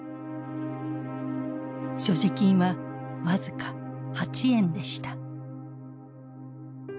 所持金は僅か８円でした。